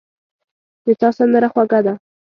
د تا سندره خوږه ده